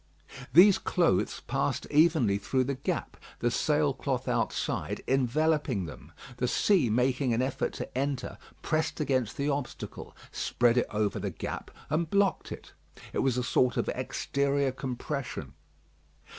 These clothes passed partly through the gap, the sail cloth outside enveloping them. The sea making an effort to enter, pressed against the obstacle, spread it over the gap, and blocked it. It was a sort of exterior compression.